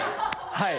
はい。